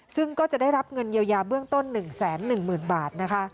ซึ่งก็จะได้รับเงินเยียวยาเบื้องต้น๑๑๐๐๐บาทนะคะ